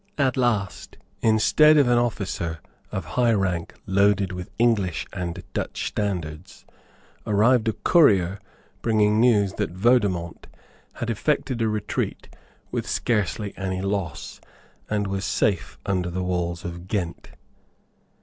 At last, instead of an officer of high rank loaded with English and Dutch standards, arrived a courier bringing news that Vaudemont had effected a retreat with scarcely any loss, and was safe under the walls of Ghent.